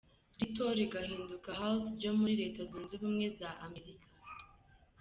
Little rigahinduka Hult ryo muri Leta Zunze Ubumwe za Amerika.